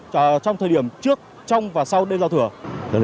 và trong thời điểm trước trong và sau đêm giao thừa